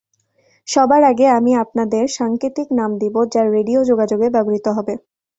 সবার আগে আমি আপনাদের সাংকেতিক নাম দিব, যা রেডিও যোগাযোগে ব্যবহৃত হবে।